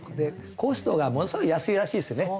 コストがものすごい安いらしいですね。